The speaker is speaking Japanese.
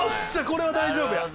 これは大丈夫や。